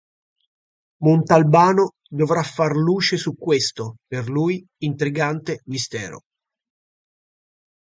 Montalbano dovrà far luce su questo, per lui, intrigante mistero.